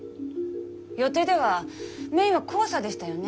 予定ではメインは黄砂でしたよね？